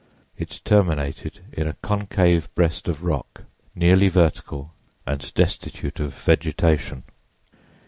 It terminated in a concave breast of rock, nearly vertical and destitute of vegetation.